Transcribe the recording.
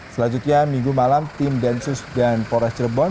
selanjutnya minggu malam tim densus dan polres cirebon